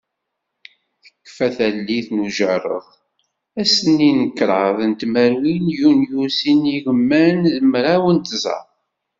Tekfa tallit n ujerred, ass-nni n kraḍ tmerwin yunyu sin yigiman d mraw d tẓa.